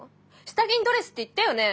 下着にドレスって言ったよね？